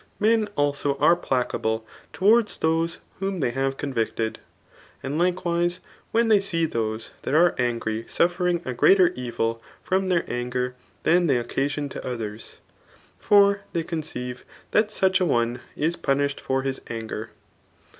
Men also are placable towards those whom they have convicted. And likewise when they see those that are angry suffering a greater evil from their anger than they occasbned to others ; for they conceive that such a one is punished for his anger.